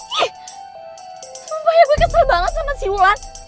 ih ih sumpah ya gue kesel banget sama si wulan